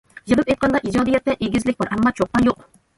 يىغىپ ئېيتقاندا، ئىجادىيەتتە ئېگىزلىك بار ئەمما چوققا يوق.